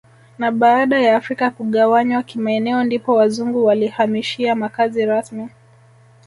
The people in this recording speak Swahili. Na baada ya afrika kugawanywa kimaeneo ndipo wazungu walihamishia makazi rasmi